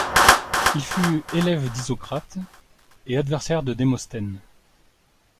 Il fut élève d'Isocrate et adversaire de Démosthène.